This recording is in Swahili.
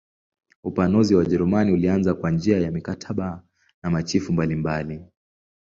Upanuzi wa Wajerumani ulianza kwa njia ya mikataba na machifu mbalimbali.